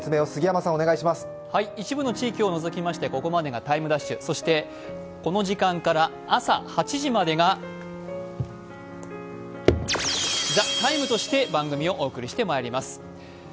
一部の地域を除きまして、ここまでが「ＴＩＭＥ’」、そしてこの時間から朝８時までが「ＴＨＥＴＩＭＥ，」として番組をお送りしてまいります。